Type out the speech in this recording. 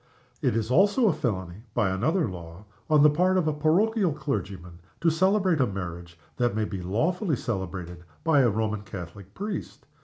It is also felony (by another law) on the part of a parochial clergyman to celebrate a marriage that may be lawfully celebrated by a Roman Catholic priest.